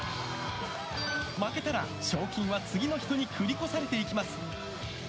負けたら賞金は次の人に繰り越されていきます。